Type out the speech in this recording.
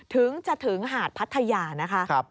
ถึงจะถึงหาดพัทยานะคะ